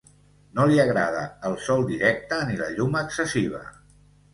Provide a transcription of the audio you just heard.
No li agrada el sol directe ni la llum excessiva.